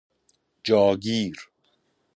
جا گیر